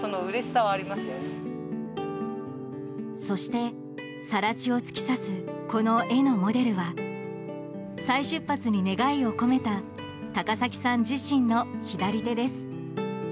そして、更地を突き刺すこの絵のモデルは再出発に願いを込めた高崎さん自身の左手です。